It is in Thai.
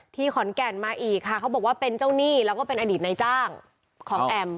ขอนแก่นมาอีกค่ะเขาบอกว่าเป็นเจ้าหนี้แล้วก็เป็นอดีตในจ้างของแอม